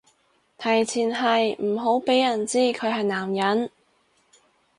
前提係唔好畀人知佢係男人